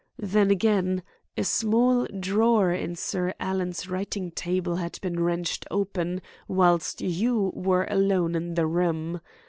Then, again, a small drawer in Sir Alan's writing table had been wrenched open whilst you were alone in the room.